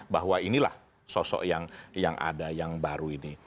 bahwa inilah sosok yang ada yang baru ini